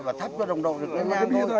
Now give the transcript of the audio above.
và thắt cho đồng đội được cái nhan thôi